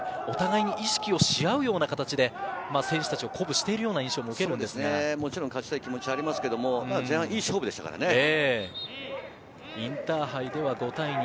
お互いに意識をし合うような形で選手たちを鼓舞しているような印象も受けるんですが、もちろん勝ちたい気持ちはありますけれど、前半いい勝負でしたからね。